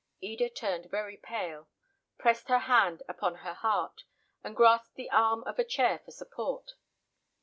Eda turned very pale, pressed her hand upon her heart, and grasped the arm of a chair for support.